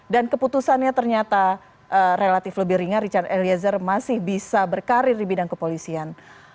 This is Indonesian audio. dan keputusannya ternyata relatif lebih ringan richard eliezer masih bisa berkarir di bidang kepolisian